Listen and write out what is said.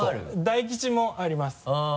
大吉もあります。